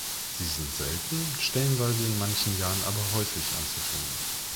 Sie sind selten, stellenweise in manchen Jahren aber häufig anzufinden.